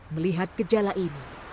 melihat gejala ini